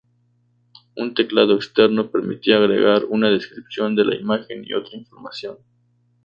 Un teclado externo permitía agregar una descripción de la imagen y otra información.